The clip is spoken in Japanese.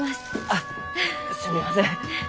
あっすみません。